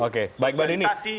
oke baik banget ini